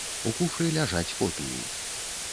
У куфры ляжаць копіі.